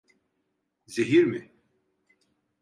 Zehir mi?